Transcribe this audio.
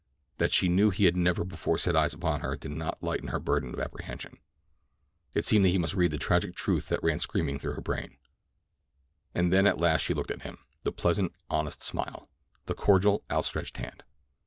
That she knew he had never before set eyes upon her did not lighten her burden of apprehension—it seemed that he must read the tragic truth that ran screaming through her brain. And then at last she looked at him—the pleasant, honest smile; the cordial, outstretched hand.